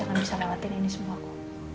gak bisa lewatin ini semua ku